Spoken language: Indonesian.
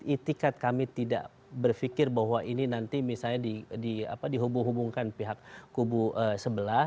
itikat kami tidak berpikir bahwa ini nanti misalnya dihubung hubungkan pihak kubu sebelah